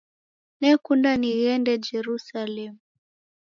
Nekunda nighende Jerusalemu